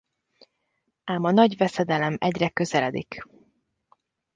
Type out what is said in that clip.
Ám a nagy veszedelem egyre közeledik.